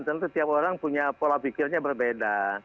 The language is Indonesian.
tentu tiap orang punya pola pikirnya berbeda